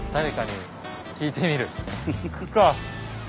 聞くか。